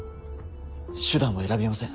手段は選びません。